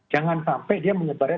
jangan sampai dia menyebarnya